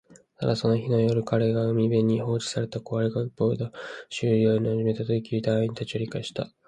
ただ、その日の夜、彼が海辺に放置された壊れたボートの修理を始めたとき、隊員達は理解した